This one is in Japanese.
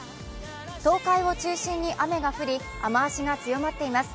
東海を中心に雨が降り雨足が強まっています。